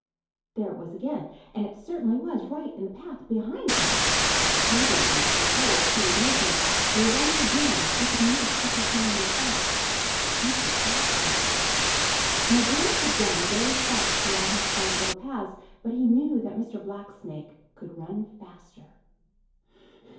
There it was again, and it certainly was right in the path behind him! He didn't need to be told who was making it. There was only one who could make such a sound as that—Mr. Blacksnake. Now Danny can run very fast along his private little paths, but he knew that Mr. Blacksnake could run faster.